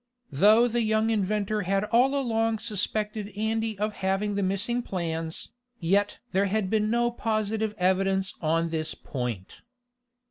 Though the young inventor had all along suspected Andy of having the missing plans, yet there had been no positive evidence on this point.